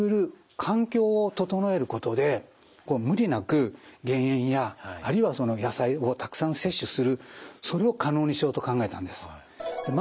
無理なく減塩やあるいは野菜をたくさん摂取するそれを可能にしようと考えたんです。